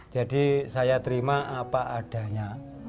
jadi saya terima apa adanya